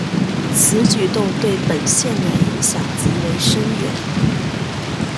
此举动对本线的影响极为深远。